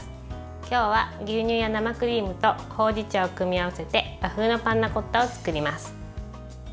今日は牛乳や生クリームとほうじ茶を組み合わせて和風のパンナコッタを作ります。